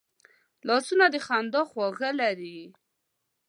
لاسونه د خندا خواږه لري